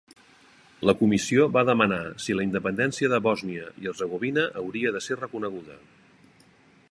La Comissió va demanar si la independència de Bòsnia i Hercegovina hauria de ser reconeguda.